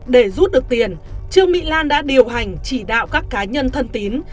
để rút được tiền trương mỹ lan đã điều hành chỉ đạo các cá nhân thân tín